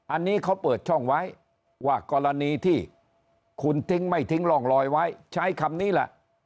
อันนี้เขาเปิดช่องไว้ว่ากรณีที่คุณทิ้งไม่ทิ้งร่องรอยไว้ใช้คำนี้แหละ